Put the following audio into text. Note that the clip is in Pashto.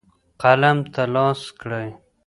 قلم ته لاس کړئ.